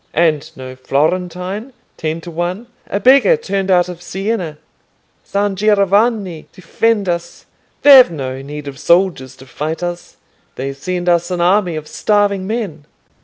"And no Florentine, ten to one! A beggar turned out of Siena. San Giovanni defend us! They've no need of soldiers to fight us. They send us an army of starving men."